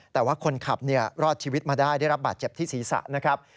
แต่ว่าคนขับรอดชีวิตมาได้ได้รับบาดเจ็บที่ศีรษะนะครับ